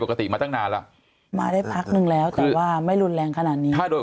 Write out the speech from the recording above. มาตั้งนานแล้วมาได้พักนึงแล้วแต่ว่าไม่รุนแรงขนาดนี้ถ้าโดย